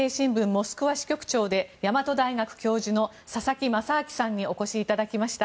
モスクワ支局長で大和大学教授の佐々木正明さんにお越しいただきました。